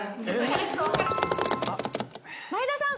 前田さん。